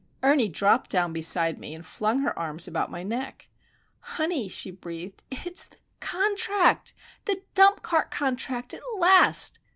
Ernie dropped down beside me, and flung her arms about my neck. "Honey," she breathed,—"it's the contract,—the Dump Cart Contract, at last!